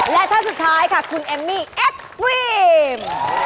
และท่านสุดท้ายค่ะคุณเอมมี่แอดรีม